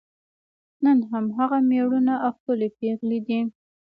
نن هم هغه میړونه او ښکلي پېغلې دي.